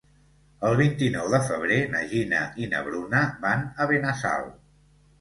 El vint-i-nou de febrer na Gina i na Bruna van a Benassal.